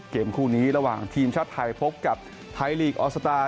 เกมคู่นี้ระหว่างทีมชาติไทยพบกับไทยลีกออสตาร์